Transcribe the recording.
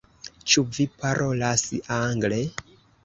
Ĉu vi parolas angle?